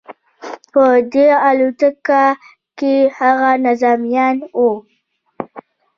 په دې الوتکه کې هغه نظامیان وو